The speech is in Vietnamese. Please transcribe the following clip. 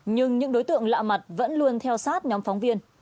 nhưng những đối tượng lạ mặt vẫn luôn theo sát nhóm phóng viên